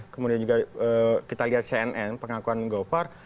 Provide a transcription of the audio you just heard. kemudian juga kita lihat cnn pengakuan govar